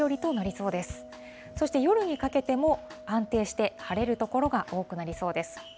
そして夜にかけても、安定して晴れる所が多くなりそうです。